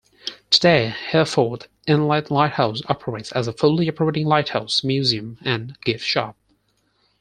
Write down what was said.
Today, Hereford Inlet Lighthouse operates as a fully operating lighthouse, museum, and gift shop.